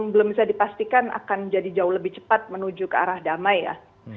belum bisa dipastikan akan jadi jauh lebih cepat menuju ke arah damai ya